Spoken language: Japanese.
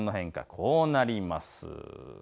こうなります。